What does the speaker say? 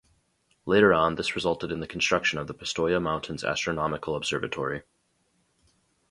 Later on, this resulted in the construction of the Pistoia Mountains Astronomical Observatory.